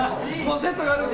セットがあるんで。